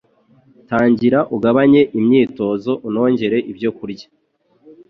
tangira ugabanye imyitozo unongere ibyo kurya